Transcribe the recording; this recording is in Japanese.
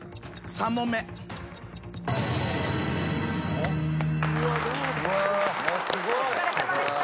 お疲れさまでした。